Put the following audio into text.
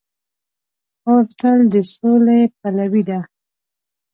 خور تل د سولې پلوي ده.